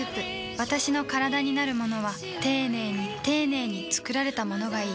私のカラダになるものは丁寧に丁寧に作られたものがいい